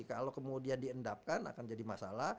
kalau kemudian diendapkan akan jadi masalah polisi